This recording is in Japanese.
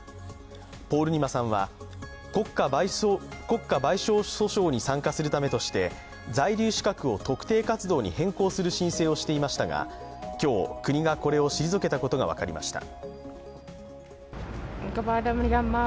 ポールニマさんは、国家賠償訴訟に参加するためとして在留資格を特定活動に変更する申請をしていましたが、今日国がこれを退けたことが分かりました。